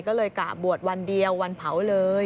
ก็เลยกะบวชวันเดียววันเผาเลย